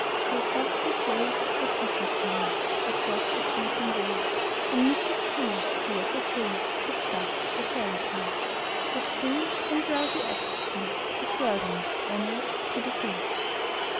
How softly floats the cuckoo's song Across the sleeping vale; In mystic glee the echo free Gives back the fairy tale. The stream, in drowsy ecstasy, Is gurgling onward to the sea.